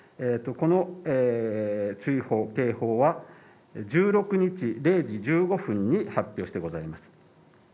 この注意報警報は１６日０時１５分に発表してございます。